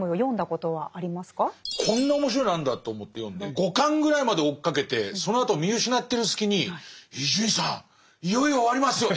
こんな面白いのあるんだと思って読んで５巻ぐらいまで追っかけてそのあと見失ってる隙に「伊集院さんいよいよ終わりますよ」